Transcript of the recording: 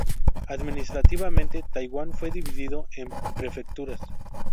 Administrativamente, Taiwan fue dividido en prefecturas.